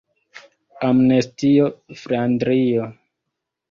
Amnestio Flandrio.